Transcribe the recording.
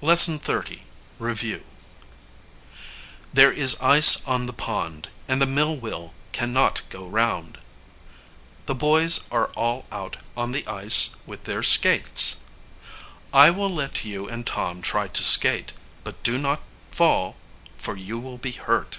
LESSON XXX. REVIEW. There is ice on the pond, and the mill wheel can not go round. The boys are all out on the ice with their skates. I will let you and Tom try to skate; but do not fall, for you will be hurt.